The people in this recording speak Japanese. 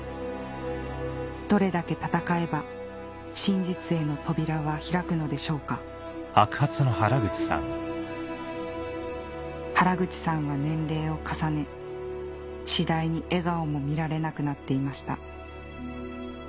どれだけ闘えば真実への扉は開くのでしょうか原口さんは年齢を重ね次第に笑顔も見られなくなっていました